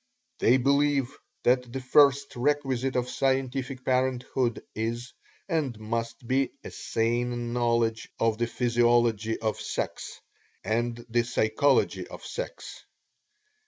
They believe that the first requisite of scientific parenthood is and must be a sane knowledge of the physiology of sex, and the psychology of sex.